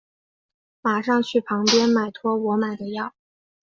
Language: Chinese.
马上去旁边买托我买的药